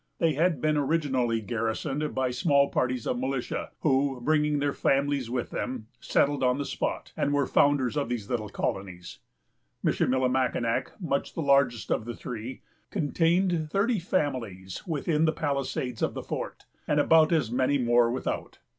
They had been originally garrisoned by small parties of militia, who, bringing their families with them, settled on the spot, and were founders of these little colonies. Michillimackinac, much the largest of the three, contained thirty families within the palisades of the fort, and about as many more without.